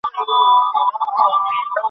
বর্তমানে সে পুলিশের হেফাজতে আছে।